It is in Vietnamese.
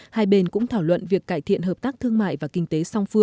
hai bên cũng thảo luận việc cải thiện hợp tác thương mại và kinh tế